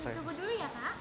tunggu dulu ya pak